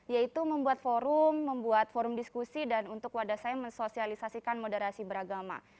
yaitu membuat forum membuat forum diskusi dan untuk wadah saya mensosialisasikan moderasi beragama